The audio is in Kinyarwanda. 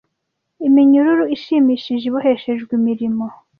iminyururu ishimishije iboheshejwe imirimo